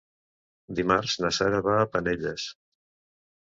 Dimarts na Sara va a Penelles.